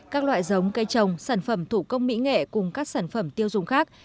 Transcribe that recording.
các loại giống cây trồng sản phẩm thủ công mỹ nghệ cùng các sản phẩm tiêu dùng khác